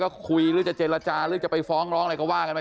ก็คุยหรือจะเจรจาหรือจะไปฟ้องร้องอะไรก็ว่ากันไป